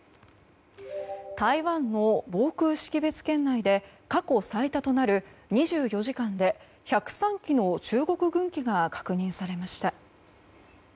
台湾の防空識別圏内で過去最多となる２４時間で１０３機の中国軍機が確認されました。